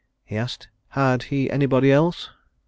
he asked. "Had he anybody else?"